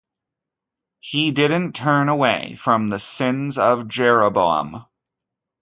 He didn't turn away from the sins of Jeroboam.